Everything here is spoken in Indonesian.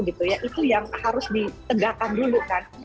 itu yang harus ditegakkan dulu kan